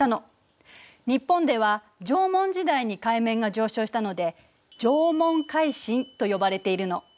日本では縄文時代に海面が上昇したので「縄文海進」と呼ばれているの。